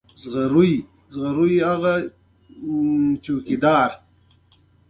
_د خدای له پاره، کوچي شنو تاکونو ته رمه ور پرې اېښې.